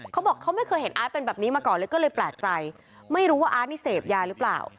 เขาบอกเขาไม่เคยเห็นอาร์ตเป็นแบบนี้มาก่อนเลยก็เลยแปลกใจไม่รู้ว่าอาร์ตนี่เสพยาหรือเปล่า